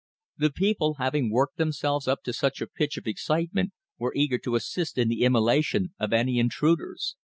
The people, having worked themselves up to such a pitch of excitement, were eager to assist in the immolation of any intruders.